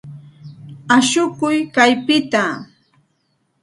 Ashukuy kaypita.